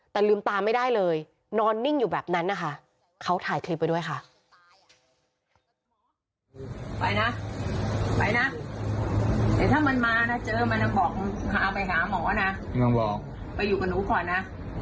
แต่ลืมตาไม่ได้เลยนอนนิ่งอยู่แบบนั้นนะคะเขาถ่ายคลิปไปด้วยค่ะ